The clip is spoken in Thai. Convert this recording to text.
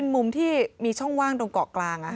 มุมที่มีช่องว่างตรงเกาะกลาง